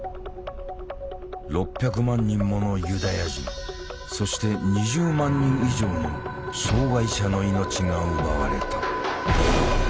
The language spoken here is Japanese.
６００万人ものユダヤ人そして２０万人以上の障害者の命が奪われた。